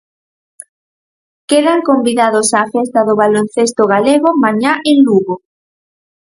Quedan convidados á festa do baloncesto galego mañá en Lugo.